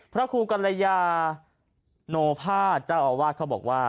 พระครูกัลยาโนภาเจ้าอาวาสเขาบอกว่า